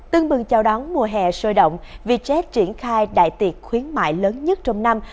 tương bừng chào đón mùa hè sôi động vietjet triển khai đại tiệc khuyến mại lớn nhất trong năm